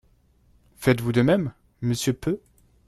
Faites-vous de même, monsieur Peu?